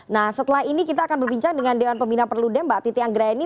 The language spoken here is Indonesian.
nah setelah ini kita akan berbincang dengan dewan pembina perludem mbak titi anggraini